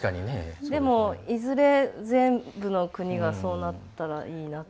でも、いずれ全部の国がそうなったらいいなと。